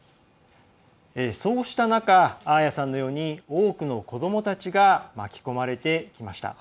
そうした中、アーヤさんのように多くの子どもたちが巻き込まれていきました。